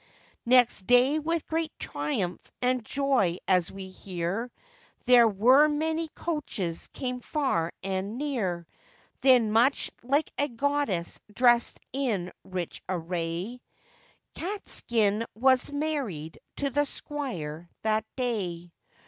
Next day, with great triumph and joy as we hear, There were many coaches came far and near; Then much like a goddess dressed in rich array, Catskin was married to the squire that day.